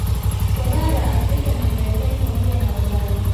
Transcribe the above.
Kwa bara la Afrika na Amerika pamoja na Ulaya